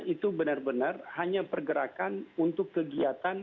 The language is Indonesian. itu benar benar hanya pergerakan untuk kegiatan